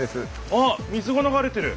あっ水がながれてる！